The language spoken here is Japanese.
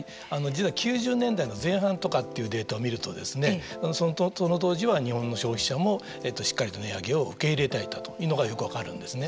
実は９０年代の前半とかっていうデータをみるとその当時は日本の消費者もしっかりと値上げを受け入れていたというのがよく分かるんですね。